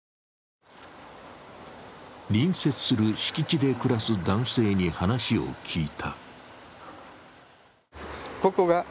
隣接する敷地で暮らす男性に話を聞いた。